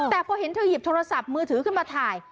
แต่พอเห็นเธอหยิบโทรศัพท์มือถือขึ้นมาถ่าย